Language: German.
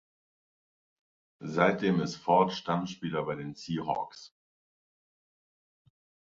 Seitdem ist Ford Stammspieler bei den Seahawks.